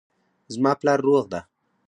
زما پلار روغ ده